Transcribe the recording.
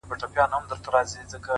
علم د هدفونو درک آسانه کوي؛